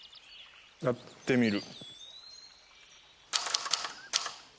やってみる。